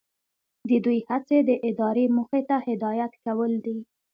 د دوی هڅې د ادارې موخې ته هدایت کول دي.